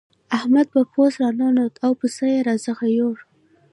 احمد په پوست راننوت او پيسې راڅخه يوړې.